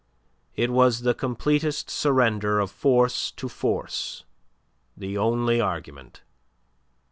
It was the completest surrender of force to force, the only argument.